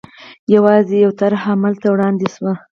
یوازې یوه طرحه عمل ته وړاندې شوه.